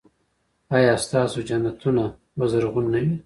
ایا ستاسو جنتونه به زرغون نه وي؟